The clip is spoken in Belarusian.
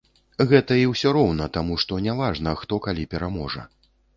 Гэта і ўсё роўна, таму што няважна, хто калі пераможа.